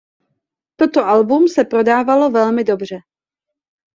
Toto album se prodávalo velmi dobře.